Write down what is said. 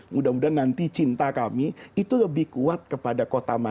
mudah mudahan nanti cinta kami itu lebih kuat kepada kota mana